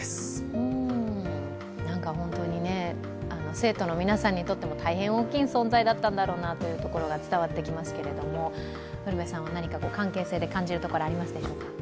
生徒の皆さんにとっても大変大きい存在だったんだろうなというところが伝わってきますけれども、何か関係性で感じること、ありますか？